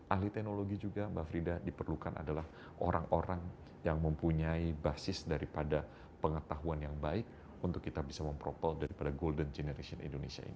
ahli teknologi juga mbak frida diperlukan adalah orang orang yang mempunyai basis daripada pengetahuan yang baik untuk kita bisa mempropol daripada golden generation indonesia ini